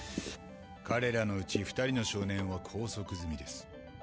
彼らのうち２人の少年は拘束済みです。